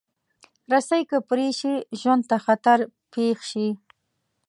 رسۍ که پرې شي، ژوند ته خطر پېښ شي.